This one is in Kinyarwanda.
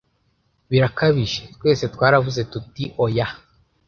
"birakabije?" twese twaravuze tuti: "oya!"